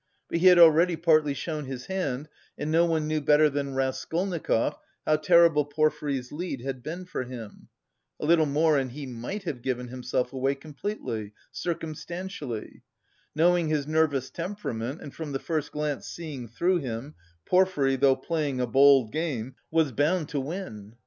But he had already partly shown his hand, and no one knew better than Raskolnikov how terrible Porfiry's "lead" had been for him. A little more and he might have given himself away completely, circumstantially. Knowing his nervous temperament and from the first glance seeing through him, Porfiry, though playing a bold game, was bound to win.